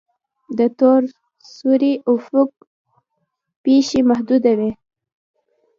د تور سوري افق پیښې محدوده وي.